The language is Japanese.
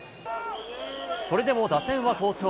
それでも打線は好調。